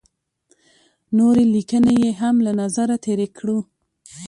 نورې لیکنې یې هم له نظره تېرې کړو.